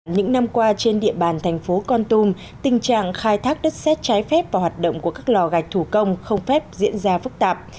những năm qua trên địa bàn thành phố con tum tình trạng khai thác đất xét trái phép và hoạt động của các lò gạch thủ công không phép diễn ra phức tạp